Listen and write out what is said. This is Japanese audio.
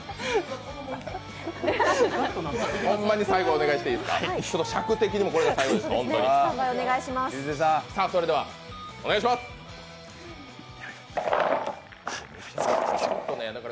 ホンマに最後、お願いしてもいいですか。